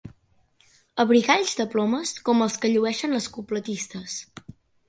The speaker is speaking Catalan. Abrigalls de plomes com els que llueixen les cupletistes.